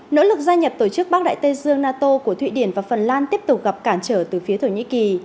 nỗ lực gia nhập tổ chức bắc đại tây dương nato của thụy điển và phần lan tiếp tục gặp cản trở từ phía thổ nhĩ kỳ